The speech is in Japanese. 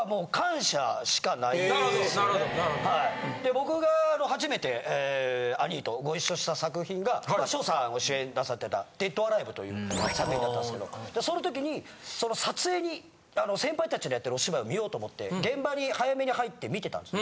僕が初めて兄ィとご一緒した作品が翔さんも主演なさってた『ＤＥＡＤＯＲＡＬＩＶＥ』という作品だったんですけどその時にその撮影に先輩達のやってるお芝居を見ようと思って現場に早めに入って見てたんですよ。